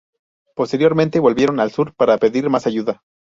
Posteriormente volvieron al sur para pedir más ayuda.